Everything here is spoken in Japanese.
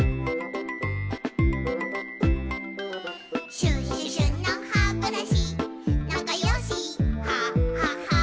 「シュシュシュのハブラシなかよしハハハ」